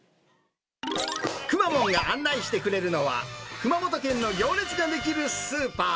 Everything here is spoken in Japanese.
くまモンが案内してくれるのは、熊本県の行列が出来るスーパー。